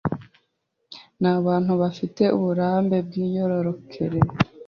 n'abantu bafite uburambe bwimyororokere,